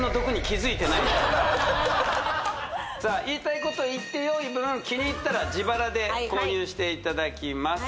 私はさあ言いたいこと言ってよい分気に入ったら自腹で購入していただきます